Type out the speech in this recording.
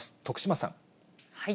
徳島さん。